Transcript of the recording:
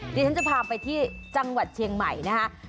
เดี๋ยวฉันจะพาไปที่จังหวัดเชียงใหม่นะคะ